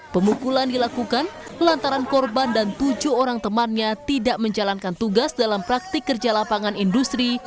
pemukulan dilakukan lantaran korban dan tujuh orang temannya tidak menjalankan tugas dalam praktik kerja lapangan industri